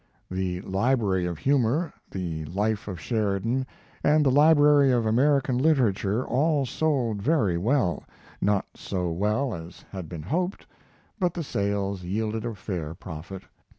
The Library of Humor, the Life of Sheridan, and The Library of American Literature all sold very well; not so well as had been hoped, but the sales yielded a fair profit.